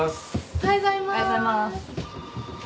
おはようございます。